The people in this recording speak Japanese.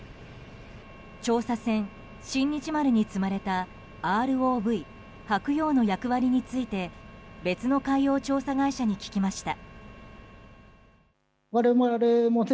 調査船「新日丸」に積まれたＲＯＶ「はくよう」の役割について別の海洋調査会社に聞きました。